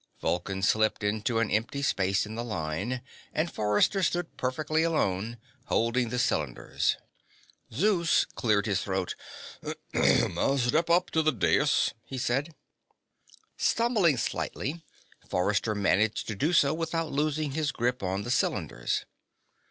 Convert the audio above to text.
Vulcan slipped into an empty space in the line, and Forrester stood perfectly alone, holding the cylinders. Zeus cleared his throat. "Step up on the dais," he said. Stumbling slightly, Forrester managed to do so without losing his grip on the cylinders.